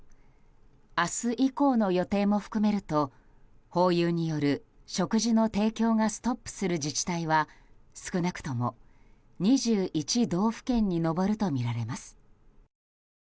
明日以降の予定も含めるとホーユーによる食事の提供がストップする自治体は少なくとも２１道府県に上るとみられます。